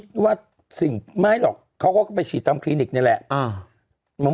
ทุกคนคิดว่าไม่หรอกเขาก็ไปฉีดตามคลินิกนี่แหละ